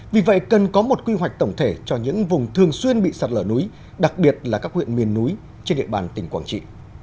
vì vậy cần có một quy hoạch tổng thể cho những vùng thường xuyên bị sạt lở núi đặc biệt là các huyện miền núi trên địa bàn tỉnh quảng trị